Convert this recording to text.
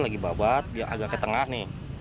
lagi babat dia agak ke tengah nih